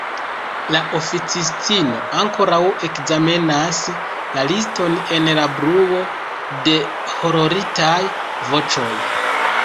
La oficistino ankoraŭ ekzamenas la liston en la bruo de hororitaj voĉoj.